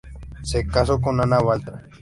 Se casó con Ana Baltra.